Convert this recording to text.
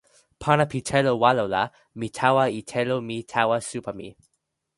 pana pi telo walo la, mi tawa e telo mi tawa supa mi.